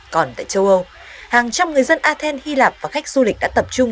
còn tại châu âu hàng trăm người dân athen hy lạp và khách du lịch đã tập trung